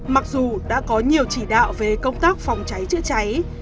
mặc dù đã có nhiều chỉ đạo về công tác phòng cháy chữa cháy